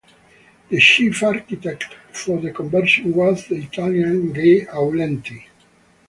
The chief architect for the conversion was the Italian Gae Aulenti.